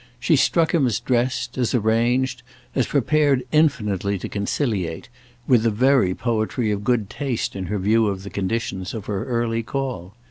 She struck him as dressed, as arranged, as prepared infinitely to conciliate—with the very poetry of good taste in her view of the conditions of her early call.